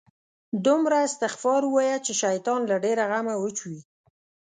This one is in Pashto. دومره استغفار وایه، چې شیطان له ډېره غمه وچوي